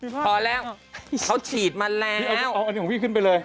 พอแล้วเขาฉีดแมลงพี่เอาอันนี้ของพี่ขึ้นไปเลย